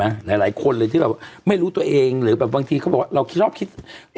หลายคนเลยที่แบบไม่รู้ตัวเองหรือแบบบางทีเขาบอกว่าเราคิดชอบคิด